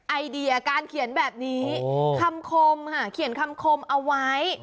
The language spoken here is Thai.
ไอเดียการเขียนแบบนี้คำคมค่ะเขียนคำคมเอาไว้